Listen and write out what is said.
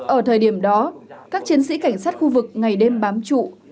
ở thời điểm đó các chiến sĩ cảnh sát khu vực ngày đêm bám trụ